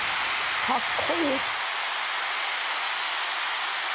かっこいい。